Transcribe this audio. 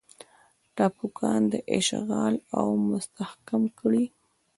ټاپوګان اشغال او مستحکم کړي.